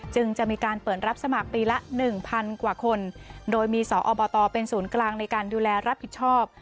จึงจะมีการเปิดรับสมัครปีละ๑๐๐กว่าคนโดยมีสอบตเป็นศูนย์กลางในการดูแลรับผิดชอบ